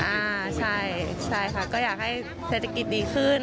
อ่าใช่ใช่ค่ะก็อยากให้เศรษฐกิจดีขึ้น